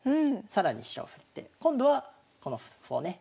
更に飛車を振って今度はこの歩をね